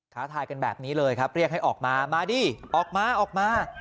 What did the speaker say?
ท้าทายกันแบบนี้เลยครับเรียกให้ออกมามาดิออกมาออกมา